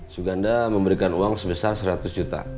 suganda memberikan uang sebesar seratus juta